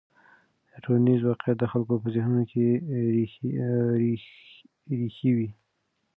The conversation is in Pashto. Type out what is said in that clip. ټولنیز واقیعت د خلکو په ذهنونو کې رېښې وهي.